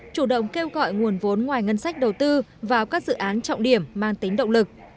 chủ động kêu gọi nguồn vốn ngoài ngân sách đầu tư vào các dự án trọng điểm mang tính động lực